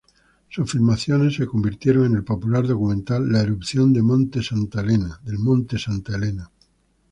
Sus filmaciones se convirtieron en el popular documental "La erupción del monte Santa Helena".